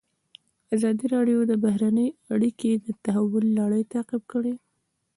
ازادي راډیو د بهرنۍ اړیکې د تحول لړۍ تعقیب کړې.